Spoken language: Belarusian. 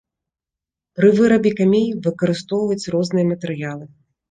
Пры вырабе камей выкарыстоўваюць розныя матэрыялы.